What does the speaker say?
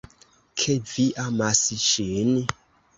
Ke vi amas ŝin.